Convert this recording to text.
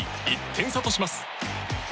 １点差とします。